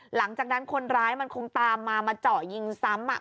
หลังจากนั้นคนร้ายมันคงตามมามาเจาะยิงซ้ำ